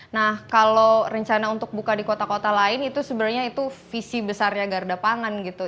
nah kalau rencana untuk buka di kota kota lain itu sebenarnya itu visi besarnya garda pangan gitu